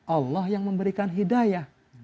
allah yang memberikan hidayah